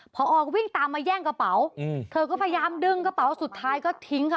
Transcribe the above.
พอวิ่งตามมาแย่งกระเป๋าเธอก็พยายามดึงกระเป๋าสุดท้ายก็ทิ้งค่ะ